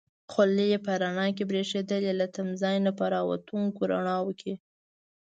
خولۍ یې په رڼا کې برېښېدلې، له تمځای نه په را وتونکو رڼاوو کې.